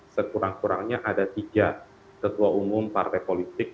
sekurang kurangnya ada tiga ketua umum partai politik